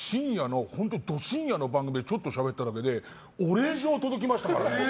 ド深夜の番組でちょっとしゃべっただけでお礼状が届きましたから。